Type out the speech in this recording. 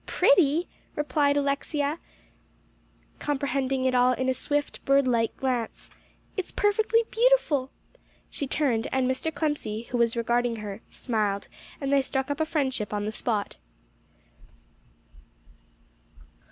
"Pretty?" repeated Alexia, comprehending it all in swift, bird like glances. "It's perfectly beautiful!" She turned, and Mr. Clemcy, who was regarding her, smiled, and they struck up a friendship on the spot.